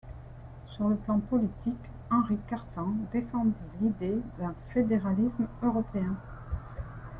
Sur le plan politique, Henri Cartan défendit l'idée d'un fédéralisme européen.